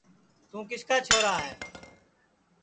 توں کِس کا چھورا ہے